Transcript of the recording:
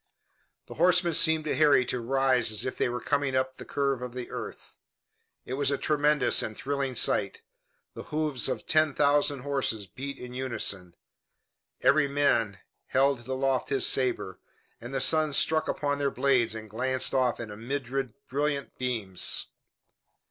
The horsemen seemed to Harry to rise as if they were coming up the curve of the earth. It was a tremendous and thrilling sight. The hoofs of ten thousand horses beat in unison. Every man held aloft his sabre, and the sun struck upon their blades and glanced off in a myriad brilliant beams.